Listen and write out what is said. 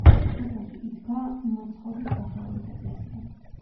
სოფელში იდგა მაცხოვრის სახელობის ეკლესია.